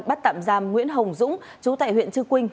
bắt tạm giam nguyễn hồng dũng chú tại huyện chư quynh